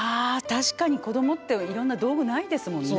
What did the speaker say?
子供っていろんな道具ないですもんね。